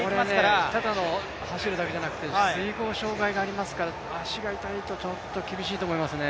これ、ただ走るだけじゃなくて水濠、障害がありますから、足が痛いとちょっと厳しいと思いますね。